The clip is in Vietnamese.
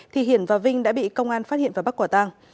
thì hiển và vinh đã bị công an phát hiện và bắt quả tang